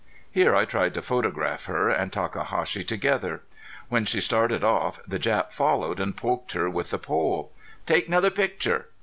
Here I tried to photograph her and Takahashi together. When she started off the Jap followed and poked her with the pole. "Take 'nother picture."